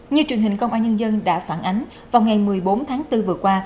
như truyền hình công an nhân dân đã phản ánh vào ngày một mươi bốn tháng bốn vừa qua